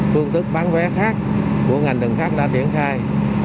phương thức bán vé khác của ngành đường khác đã triển khai